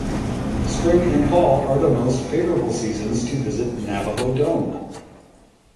Spring and fall are the most favorable seasons to visit Navajo Dome.